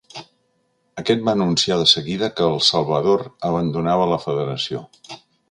Aquest va anunciar de seguida que El Salvador abandonava la federació.